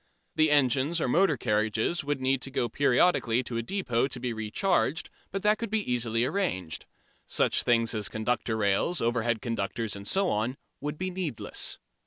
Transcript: The engines or motor carriages would need to go periodically to a depot to be re charged, but that could easily be arranged. Such things as conductor rails, overhead conductors and so on would be needless.